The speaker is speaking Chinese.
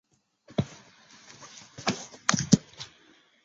与万树友善。